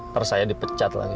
terus saya dipecat lagi